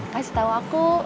kasih tau aku